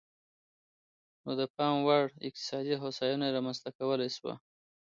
نو د پاموړ اقتصادي هوساینه یې رامنځته کولای شوه.